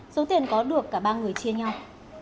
số tiền có được cả ba người chia nhau